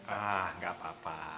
ah enggak apa apa